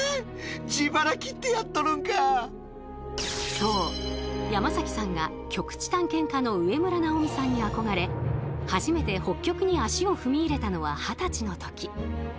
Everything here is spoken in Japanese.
そう山崎さんが極地探検家の植村直己さんに憧れ初めて北極に足を踏み入れたのは二十歳の時。